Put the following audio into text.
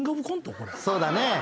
そうだね。